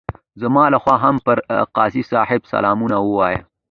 زما لخوا هم پر قاضي صاحب سلام ووایه.